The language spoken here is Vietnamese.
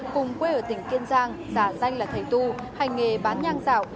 cùng quê ở tỉnh kiên giang giả danh là thầy tu hành nghề bán nhang dạo